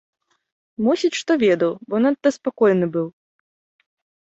Мусіць, што ведаў, бо надта спакойны быў.